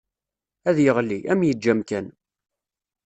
Ad yeɣli, ad m-yeǧǧ amkan.